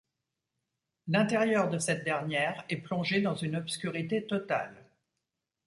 L'intérieur de cette dernière est plongé dans une obscurité totale.